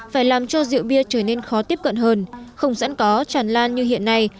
phải làm cho rượu bia trở nên khó tiếp cận hơn không sẵn có tràn lan như hiện nay